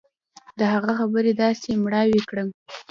د هغه خبرې داسې مړاوى کړم.